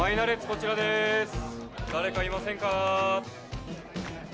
こちらでーす誰かいませんかー？